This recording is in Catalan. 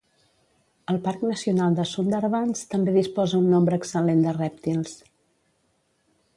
El parc nacional de Sundarbans també disposa un nombre excel·lent de rèptils.